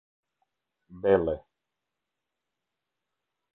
Belle